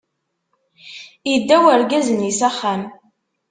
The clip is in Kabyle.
Idda urgaz-nni s axxam.